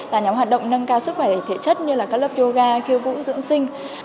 và nhóm hoạt động nâng cao sức khỏe thể chất như club yoga khiêu vũ dưỡng sinh